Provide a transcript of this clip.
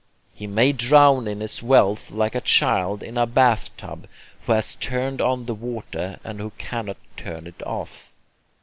He may drown in his wealth like a child in a bath tub, who has turned on the water and who cannot turn it off.